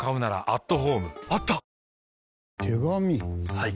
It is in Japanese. はい。